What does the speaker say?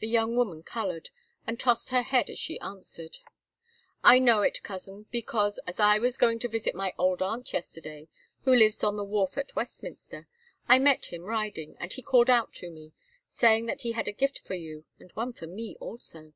The young woman coloured, and tossed her head as she answered: "I know it, Cousin, because, as I was going to visit my old aunt yesterday, who lives on the wharf at Westminster, I met him riding, and he called out to me, saying that he had a gift for you and one for me also."